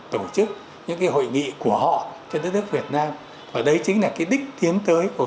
tổ chức những cái hội nghị của họ trên đất nước việt nam và đấy chính là cái đích tiến tới của